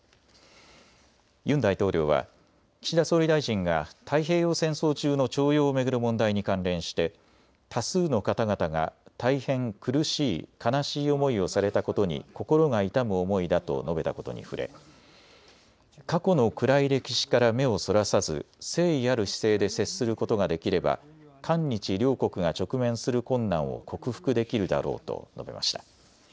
ユン大統領は岸田総理大臣が太平洋戦争中の徴用を巡る問題に関連して多数の方々が大変苦しい悲しい思いをされたことに心が痛む思いだと述べたことに触れ、過去の暗い歴史から目をそらさず誠意ある姿勢で接することができれば韓日両国が直面する困難を克服できるだろうと述べました。